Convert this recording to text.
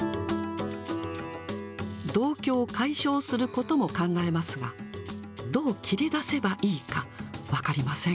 同居を解消することも考えますが、どう切り出せばいいか分かりません。